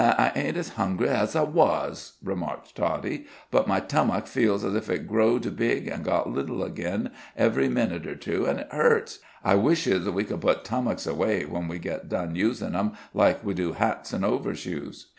"An' I ain't azh hungry azh I wazh," remarked Toddie, "but my tummuk feels as if it growed big and got little again, every minute or two, an' it hurts. I wishes we could put tummuks away when we get done usin' 'em, like we do hats an' overshoes."